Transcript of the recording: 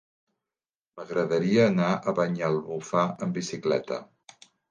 M'agradaria anar a Banyalbufar amb bicicleta.